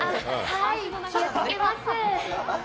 はい、気をつけます。